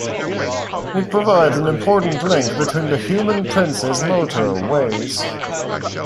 It provides an important link between the Hume and Princes motorways.